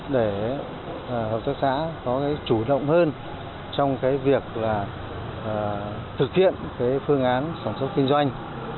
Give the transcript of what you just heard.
để hợp tác xã có chủ động hơn trong việc thực hiện phương án sản xuất kinh doanh